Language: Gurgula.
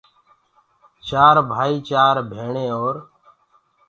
چار ڀائيٚ، چآر ڀيڻي اور